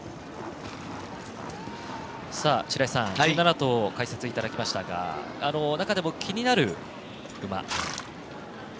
白井さん、１７頭を解説いただきましたが中でも気になる馬。